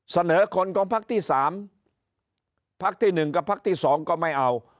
เสนอคนของพักที่๓พักที่๑กับพักที่๒ก็ไม่เอา